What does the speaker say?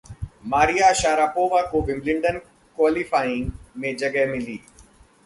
Maria Sharapova को Wimbledon qualifying में जगह मिली